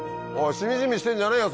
しみじみしてんじゃねえよ